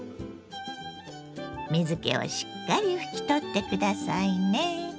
水けをしっかり拭き取って下さいね。